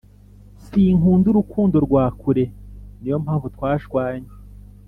Sinkunda urukundo rwakure niyo mpamvu twashwanye